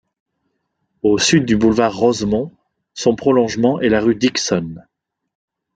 Au sud du boulevard Rosemont, son prolongement est la rue Dickson.